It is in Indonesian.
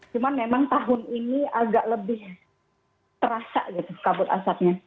cuma memang tahun ini agak lebih terasa gitu kabut asapnya